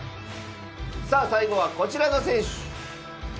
さあ最後はこちらの選手。